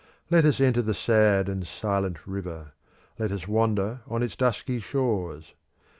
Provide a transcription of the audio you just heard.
Let us enter the sad and silent river; let us wander on its dusky shores.